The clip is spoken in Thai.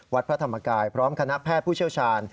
วัดพระธรรมกายพร้อมคณะแพทย์ผู้เชี่ยวชาญ